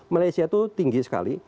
malaysia itu tinggi sekali